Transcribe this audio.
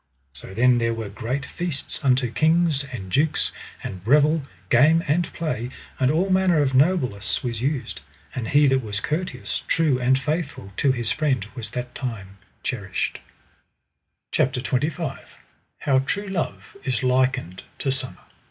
So then there were great feasts unto kings and dukes, and revel, game, and play, and all manner of noblesse was used; and he that was courteous, true, and faithful, to his friend was that time cherished. CHAPTER XXV. How true love is likened to summer.